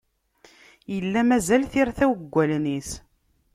Yella mazal tirtaw deg allen-is.